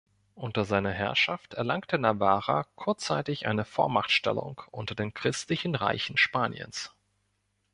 Unter seiner Herrschaft erlangte Navarra kurzzeitig eine Vormachtstellung unter den christlichen Reichen Spaniens.